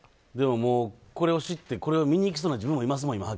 でもこれを知って見に行きそうな自分もいますもん。